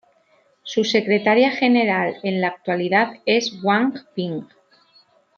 Su secretaria general en la actualidad es Wang Ping.